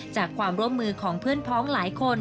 จากความร่วมมือของเพื่อนพ้องหลายคน